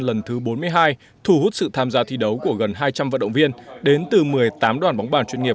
lần thứ bốn mươi hai thu hút sự tham gia thi đấu của gần hai trăm linh vận động viên đến từ một mươi tám đoàn bóng bàn chuyên nghiệp